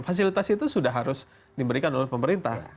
fasilitas itu sudah harus diberikan oleh pemerintah